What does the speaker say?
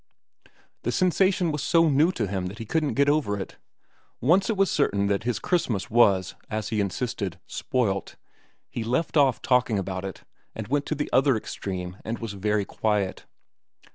The sensation was so new to him that he couldn't get over it. Once it was certain that his Christmas was, as he insisted, spoilt, he left off talking about it and went to the other extreme and was very quiet.